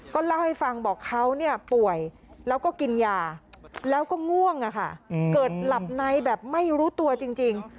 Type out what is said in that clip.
ก็เล่าให้ฟังบอกเขาเนี่ยป่วยแล้วก็กินยาแล้วก็ง่วงเกิดหลับในแบบไม่รู้ตัวจริง